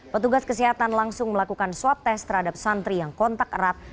petugas kesehatan langsung melakukan swab test terhadap santri yang kontak erat